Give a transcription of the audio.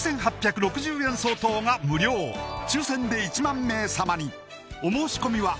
４８６０円相当が無料抽選で１万名様にお申し込みは